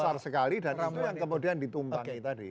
saya kira besar sekali dan itu yang kemudian ditumbangin tadi